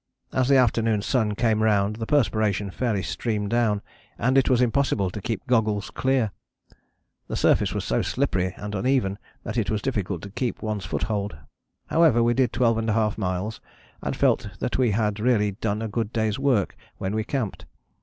As the afternoon sun came round the perspiration fairly streamed down, and it was impossible to keep goggles clear. The surface was so slippery and uneven that it was difficult to keep one's foothold. However we did 12½ miles, and felt that we had really done a good day's work when we camped.